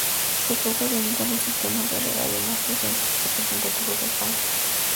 Se trata de uno de los sistemas de regadío más representativos del país.